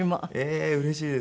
ええーうれしいです。